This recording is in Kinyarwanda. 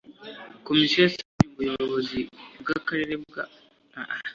Komisiyo yasabye Ubuyobozi bw’Akarere ka Bugesera kubikurikirana neza